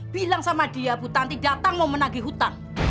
bilang sama dia putati datang mau menagih hutang